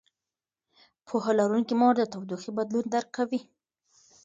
پوهه لرونکې مور د تودوخې بدلون درک کوي.